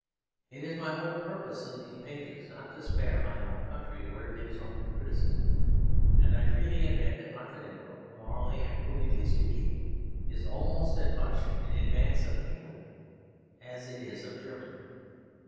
It is my whole purpose in these pages not to spare my own country where it is open to criticism; and I freely admit that Montenegro, morally and politically speaking, is almost as much in advance of England as it is of Germany.